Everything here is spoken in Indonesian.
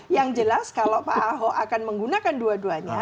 yang jelas kalau pak ahok akan menggunakan dua duanya